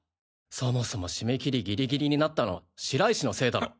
そもそも締め切りギリギリになったのは白石のせいだろ。